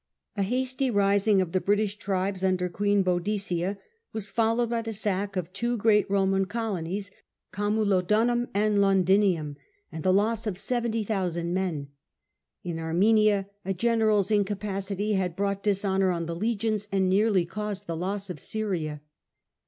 A hasty rising of the British tribes under Queen Boadicea was followed by the sac k The rising in of two great Roman colonies, Caraulodunum bsro^f and Londinium, and the loss of seventy thou sand men. In Armenia a general's incapacity had brought dishonour on the legions and neai ly caused the loss of Syria.